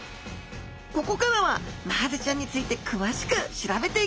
ここからはマハゼちゃんについて詳しく調べていきましょう！